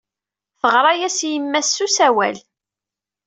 Teɣra-as i yemma-s s usawal.